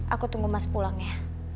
aku tunggu mas pulang ya